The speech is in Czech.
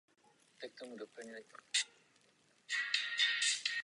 Intenzivní spolupráce s Ruskem přitom probíhá dodnes.